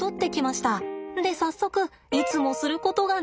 で早速いつもすることがね。